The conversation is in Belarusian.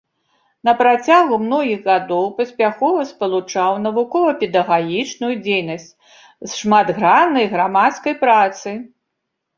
На працягу многіх гадоў паспяхова спалучаў навукова-педагагічную дзейнасць з шматграннай грамадскай працай.